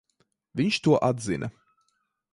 Viņš to atzina.